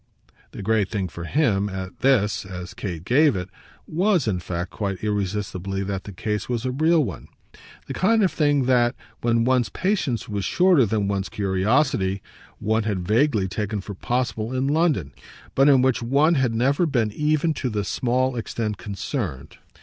The great thing for him, at this, as Kate gave it, WAS in fact quite irresistibly that the case was a real one the kind of thing that, when one's patience was shorter than one's curiosity, one had vaguely taken for possible in London, but in which one had never been even to this small extent concerned.